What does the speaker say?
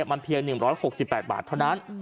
มันเพียง๑๖๘บาทเท่านั้น